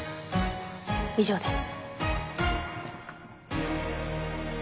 以上です。